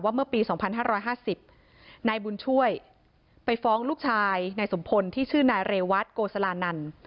เมื่อปี๒๕๕๐นายบุญช่วยไปฟ้องลูกชายนายสมพลที่ชื่อนายเรวัตโกสลานันต์